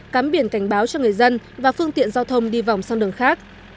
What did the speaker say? cám biển cảnh báo cho người dân và phương tiện giao thông đi vòng sang đường khác